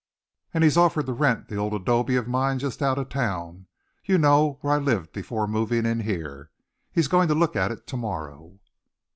An' he's offered to rent that old 'dobe of mine just out of town. You know, where I lived before movin' in heah. He's goin' to look at it to morrow."